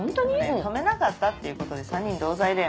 止めなかったっていうことで３人同罪だよ。